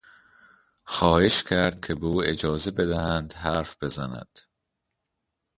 خواهش کرد که به او اجازه بدهند حرف بزند.